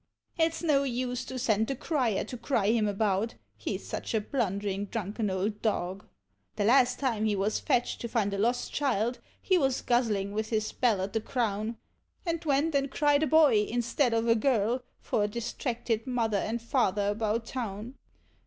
— It's no use to send the Crier to cry him about, he 's such a blunderiu' drunken old dog; The last time he was fetched to nnd a lost child he was guzzling with his bell at the Crown, And went and cried a boy instead of a girl, for a distracted Mother and Father about Town.